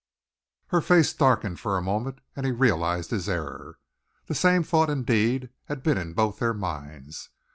Her face darkened for a moment, and he realised his error. The same thought, indeed, had been in both their minds.